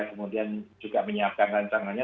kemudian juga menyiapkan rancangannya